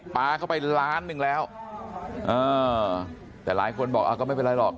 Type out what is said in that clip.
ปลาเข้าไปล้านหนึ่งแล้วแต่หลายคนบอกก็ไม่เป็นไรหรอก